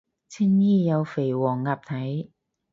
青衣有肥黃鴨睇